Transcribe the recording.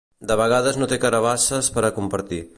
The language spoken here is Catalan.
De vegades no té carabasses per a compartir.